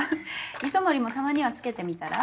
磯森もたまにはつけてみたら？